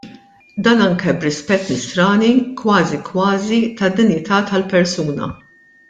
Dan anke b'rispett nisrani kważi kważi, tad-dinjità tal-persuna.